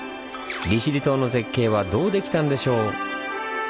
利尻島の「絶景」はどうできたんでしょう？